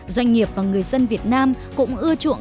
doanh nghiệp và người dân việt nam cũng ưa chuộng